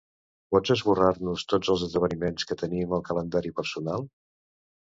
Pots esborrar-nos tots els esdeveniments que tenim al calendari personal?